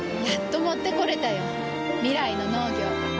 やっと持ってこれたよ。未来の農業。